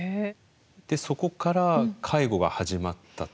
でそこから介護が始まったと。